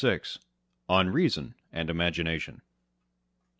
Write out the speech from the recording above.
On Reason and Imagination.